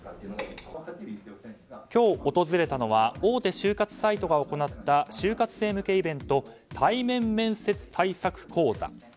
今日、訪れたのは大手就活サイトが行った就活生向けイベント対面面接対策講座。